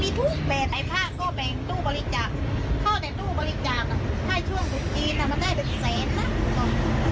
ในช่วงรุ่นจีนมันได้เป็นแสน